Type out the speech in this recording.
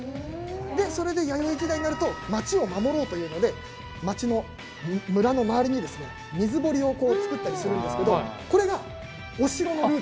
それで弥生時代になると町を守ろうというので村の周りにですね水堀をつくったりするんですけどこれが。